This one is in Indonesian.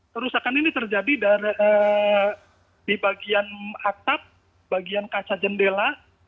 kerusakan ini terjadi di bagian atap bagian kaca jendela